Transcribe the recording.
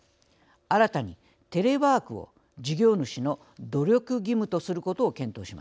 新たにテレワークを事業主の努力義務とすることを検討します。